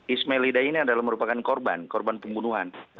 ismail hidayah ini adalah merupakan korban korban pembunuhan